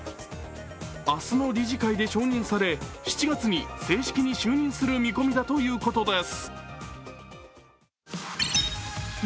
明日の理事会で承認され７月に正式に就任する見込みだということです。